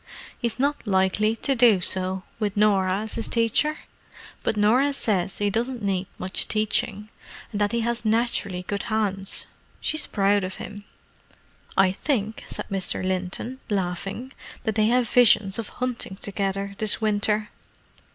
"He's not likely to do so, with Norah as his teacher. But Norah says he doesn't need much teaching, and that he has naturally good hands. She's proud of him. I think," said Mr. Linton, laughing, "that they have visions of hunting together this winter!"